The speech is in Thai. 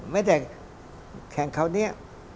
ไม่แต่แข่งเขานี้